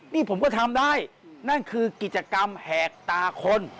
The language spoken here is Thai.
นี่ผมก็ทำได้นั่นคือกิจกรรมแหกตาคน